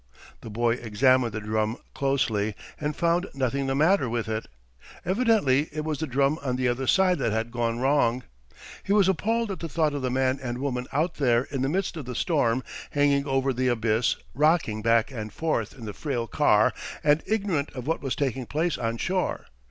The boy examined the drum closely, and found nothing the matter with it. Evidently it was the drum on the other side that had gone wrong. He was appalled at the thought of the man and woman out there in the midst of the storm, hanging over the abyss, rocking back and forth in the frail car and ignorant of what was taking place on shore.